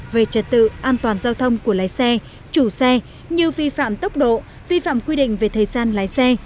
về trật tự an toàn giao thông của lái xe chủ xe như vi phạm tốc độ vi phạm quy định về thời gian lái xe